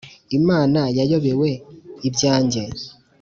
Imana yayobewe ibyanjye !»